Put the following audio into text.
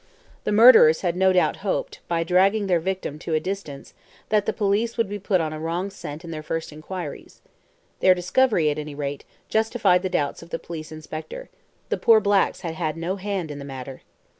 The murderers had no doubt hoped, by dragging their victim to a distance, that the police would be put on a wrong scent in their first inquiries. This discovery, at any rate, justified the doubts of the police inspector. The poor blacks had had no hand in the matter.